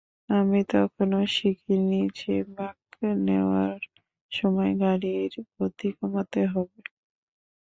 আমি তখনো শিখিনি যে, বাঁক নেওয়ার সময় গাড়ির গতি কমাতে হয়।